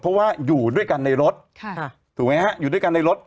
เพราะว่าอยู่ด้วยกันในรถถูกไหมฮะอยู่ด้วยกันในรถ